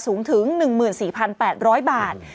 สูงถึง๑๔๘๐๐บาท